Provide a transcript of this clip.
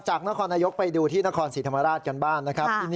จากนครนายกไปดูที่นครศรีธรรมราชกันบ้างนะครับ